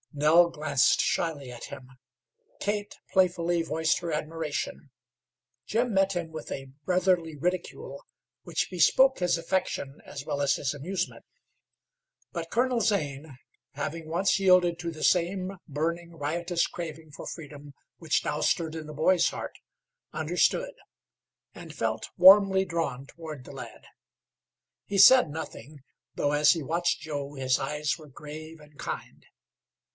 Nell glanced shyly at him; Kate playfully voiced her admiration; Jim met him with a brotherly ridicule which bespoke his affection as well as his amusement; but Colonel Zane, having once yielded to the same burning, riotous craving for freedom which now stirred in the boy's heart, understood, and felt warmly drawn toward the lad. He said nothing, though as he watched Joe his eyes were grave and kind.